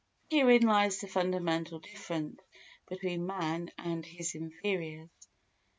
Herein lies the fundamental difference between man and his inferiors.